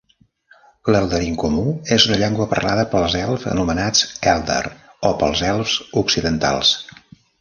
L'eldarin comú és una llengua parlada pels elfs anomenats Èldar o pels elfs occidentals.